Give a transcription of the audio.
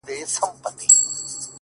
قربان د ډار له کيفيته چي رسوا يې کړم-